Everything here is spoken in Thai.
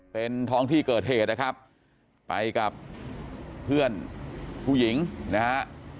เป็นท้องที่เกิดเหตุนะครับไปกับเพื่อนผู้หญิงนะฮะ